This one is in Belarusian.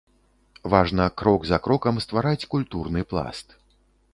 Важна крок за крокам ствараць культурны пласт.